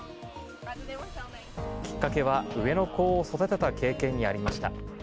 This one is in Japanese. きっかけは、上の子を育てた経験にありました。